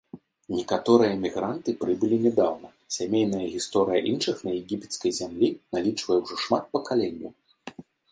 Некаторыя мігранты прыбылі нядаўна, сямейная гісторыя іншых на егіпецкай зямлі налічвае ўжо шмат пакаленняў.